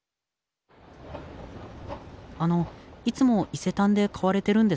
あのいつも伊勢丹で買われてるんですか？